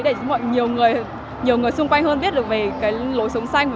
để cho mọi người nhiều người xung quanh hơn biết được về cái lối sống xanh